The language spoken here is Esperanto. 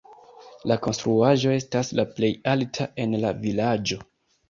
La konstruaĵo estas la plej alta en la vilaĝo.